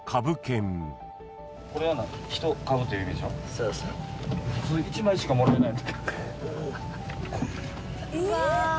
「そうそう」「普通１枚しかもらえない」